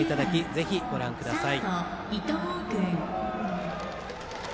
ぜひご覧ください。